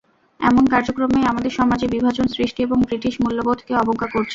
এমন কার্যক্রমই আমাদের সমাজে বিভাজন সৃষ্টি এবং ব্রিটিশ মূল্যবোধকে অবজ্ঞা করছে।